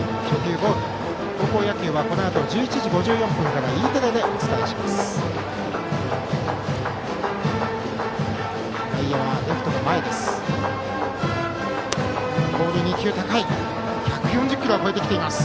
高校野球はこのあと１時５４分からＥテレでお伝えします。